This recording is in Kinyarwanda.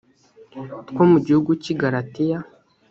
two mu gihugu cy i galatiya